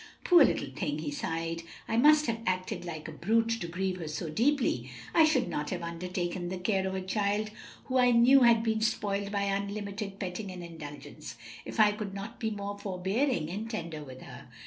"Poor little thing!" he sighed, "I must have acted like a brute to grieve her so deeply, I should not have undertaken the care of a child who I knew had been spoiled by unlimited petting and indulgence, if I could not be more forbearing and tender with her.